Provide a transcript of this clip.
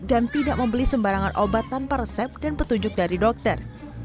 dan tidak membeli sembarangan obat tanpa resep dan petunjuk dari dokter